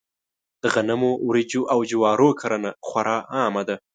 د غنمو، وريجو او جوارو کرنه خورا عامه ده.